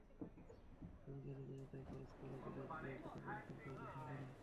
শ্রমিকেরা নিজেদের টাকা খরচ করে বিদেশ গিয়ে কঠোর পরিশ্রম করে দেশে ফেরে।